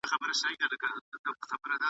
په تور تم کي په تیاروکي لاري ویني ,